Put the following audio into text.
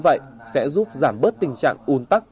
căn cứ vào tình trạng đường xá